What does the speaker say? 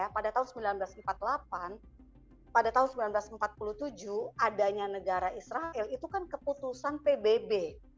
pada tahun seribu sembilan ratus empat puluh delapan pada tahun seribu sembilan ratus empat puluh tujuh adanya negara israel itu kan keputusan pbb